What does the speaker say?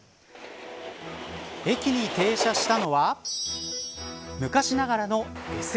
駅に停車したのは昔ながらのＳＬ。